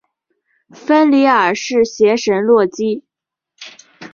芬里尔是邪神洛基。